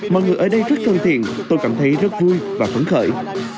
mọi người ở đây rất thân thiện tôi cảm thấy rất vui và phấn khởi